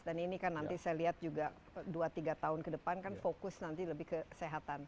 dan ini kan nanti saya lihat juga dua tiga tahun ke depan kan fokus nanti lebih kesehatan